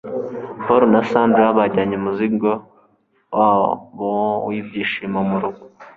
Paul na Sandra bajyanye umuzingo wabo wibyishimo murugo